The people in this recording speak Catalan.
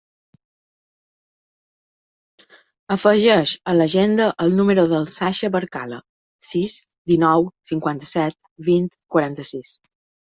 Afegeix a l'agenda el número del Sasha Barcala: sis, dinou, cinquanta-set, vint, quaranta-sis.